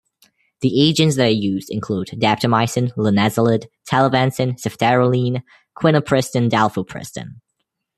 The agents that are used include daptomycin, linezolid, telavancin, ceftaroline, quinupristin-dalfopristin.